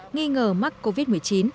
nghi ngờ mắc covid một mươi chín